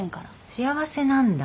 幸せなんだ。